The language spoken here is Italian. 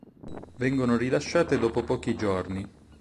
Vengono rilasciate dopo pochi giorni.